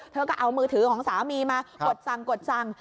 เธอก็เอามือถือของสามีมากดสั่งกดสั่ง